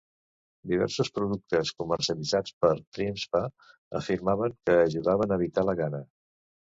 Diversos productes comercialitzats per TrimSpa afirmaven que ajudaven a "evitar la gana".